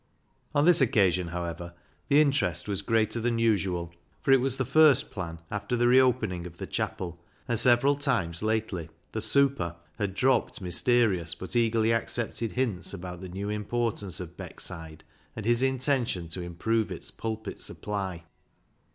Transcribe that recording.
On this occasion, however, the interest was greater than usual, for it was the first plan after the reopening of the chapel, and several times lately the " super " had dropped mysterious but eagerly accepted hints about the new importance of Beckside, and his intention to improve its pulpit suppl}'.